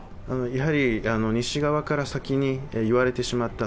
やはり西側から先に言われてしまった、